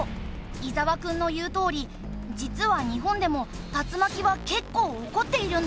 伊沢くんの言うとおり実は日本でも竜巻は結構起こっているんだ。